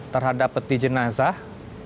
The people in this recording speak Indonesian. terhadap peti jenazah